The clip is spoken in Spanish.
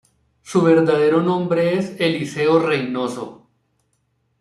Su verdadero nombre es Eliseo Reynoso.